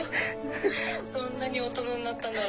そんなに大人になったんだと思って。